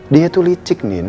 dia itu licik din